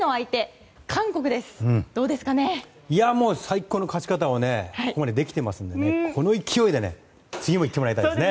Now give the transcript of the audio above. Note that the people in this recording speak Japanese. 最高の勝ち方をここまでできているのでこの勢いで次もいってもらいたいですね。